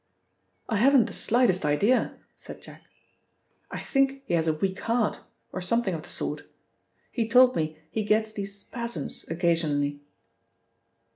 "I haven't the slightest idea," said Jack. "I think he has a weak heart, or something of the sort. He told me he gets these spasms occasionally."